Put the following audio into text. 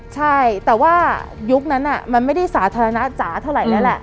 ใช่แต่ว่ายุคนั้นมันไม่ได้สาธารณะจ๋าเท่าไหร่แล้วแหละ